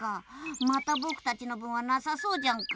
またぼくたちのぶんはなさそうじゃんか。